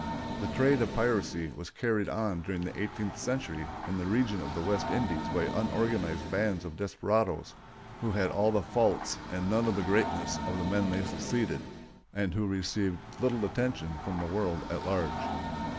] The trade of piracy was carried on during the eighteenth century in the region of the West Indies by unorganized bands of desperados who had all the faults and none of the greatness of the men they succeeded, and who received little attention from the world at large.